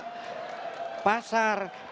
kalau dijual ke pasar